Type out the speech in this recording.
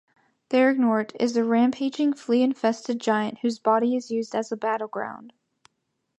There, G'nort is a rampaging flea-infested giant whose body is used as a battleground.